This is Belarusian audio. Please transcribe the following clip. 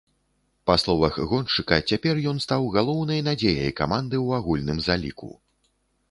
Па словах гоншчыка цяпер ён стаў галоўнай надзеяй каманды ў агульным заліку.